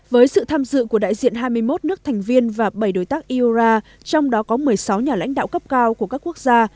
với sự tham dự của đại diện hai mươi một nước thành viên và bảy đối tác iora trong đó có một mươi sáu nhà lãnh đạo cấp cao của các quốc gia